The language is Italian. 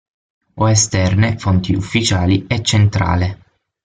O esterne (fonti ufficiali) è centrale.